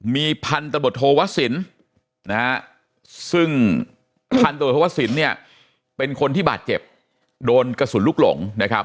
มีพันธบทโทวสินนะฮะซึ่งพันธบทวสินเนี่ยเป็นคนที่บาดเจ็บโดนกระสุนลูกหลงนะครับ